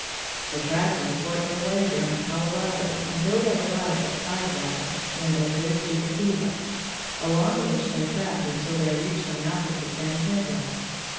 The trappers worked their way down the Colorado until they arrived at tidewater, when they moved to the Gila, along which they trapped until they reached the mouth of the San Pedro.